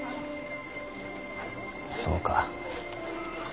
そうか。